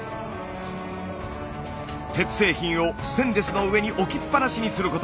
鉄製品をステンレスの上に置きっぱなしにすること。